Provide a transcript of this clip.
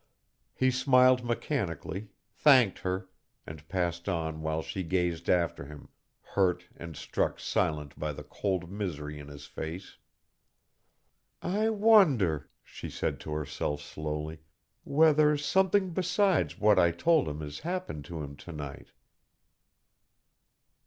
He smiled mechanically, thanked her, and passed on while she gazed after him, hurt and struck silent by the cold misery in his face. "I wonder," she said to herself slowly, "whether something besides what I told him has happened to him to night?"